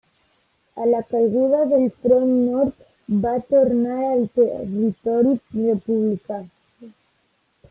A la caiguda del front Nord va tornar al territori republicà.